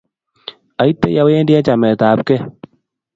Aite ye awendi eng' chamet ap kei.